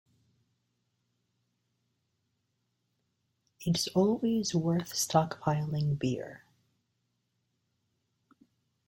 It’s always worth stockpiling beer.